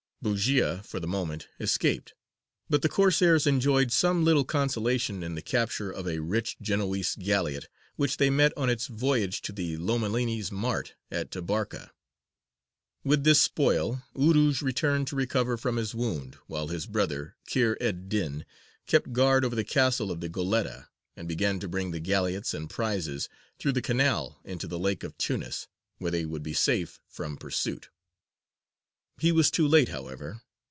Bujēya for the moment escaped, but the Corsairs enjoyed some little consolation in the capture of a rich Genoese galleot which they met on its voyage to the Lomellini's mart at Tabarka. With this spoil Urūj returned to recover from his wound, while his brother, Kheyr ed dīn, kept guard over the castle of the Goletta, and began to bring the galleots and prizes through the canal into the Lake of Tunis, where they would be safe from pursuit. He was too late, however.